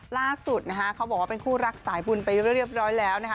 ล่าสุดนะคะเขาบอกว่าเป็นคู่รักสายบุญไปเรียบร้อยแล้วนะคะ